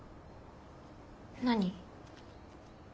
何？